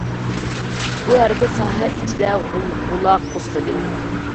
بۇ ھەرىكەت ساھە ئىچىدە غۇلغۇلا قوزغىدى.